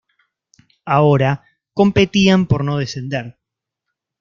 Ahora competían por no descender.